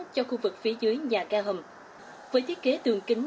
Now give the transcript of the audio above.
cho khu vực phía dưới nhà ga hầm với thiết kế tường kính